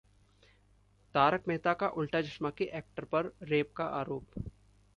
'तारक मेहता का उल्टा चश्मा' के एक्टर पर रेप का आरोप